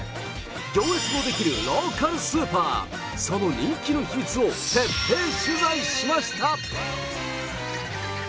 行列のできるローカルスーパー、その人気の秘密を徹底取材しました。